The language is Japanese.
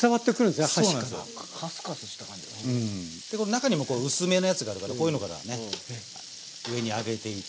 中にも薄めのやつがあるからこういうのからね上に上げていって。